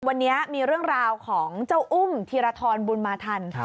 วันนี้มีเรื่องราวของเจ้าอุ้มธีรทรบุญมาทัน